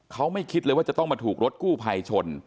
เขาไม่คิดเลยว่าจะต้องมาถูกรถกู้ภัยชน